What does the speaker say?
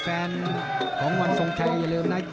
แฟนของวันทรงชัยอย่าลืมนะ